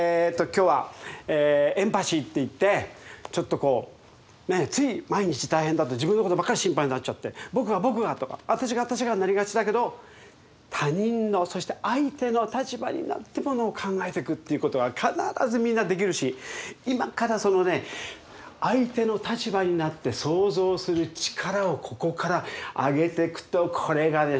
今日はエンパシーっていってちょっとこうつい毎日大変だと自分のことばっかり心配になっちゃって「僕が僕が」とか「私が私が」になりがちだけど他人のそして相手の立場になってものを考えていくっていうことは必ずみんなできるし今からそのね相手の立場になって想像する力をここから上げてくとこれがね